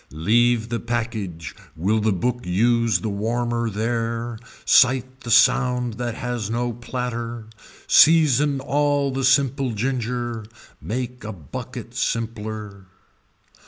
Leave the package will the book use the warmer there, sight the sound that has no platter, season all the simple ginger, make a bucket simpler.